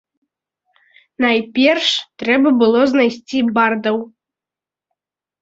Найперш трэба было знайсці бардаў.